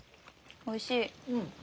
おいしい？